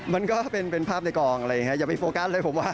มันก็เป็นภาพในกองเลยอย่าไปโฟกัสเลยผมว่า